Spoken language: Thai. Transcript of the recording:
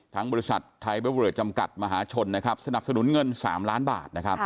ทั้งบริษัทไทยเบอร์เวิร์ดจำกัดมหาชนสนับสนุนเงิน๓ล้านบาท